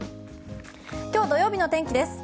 今日土曜日の天気です。